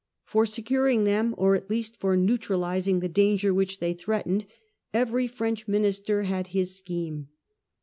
For securing them, or at least for neutralising the danger which they threatened, every French minister had his scheme.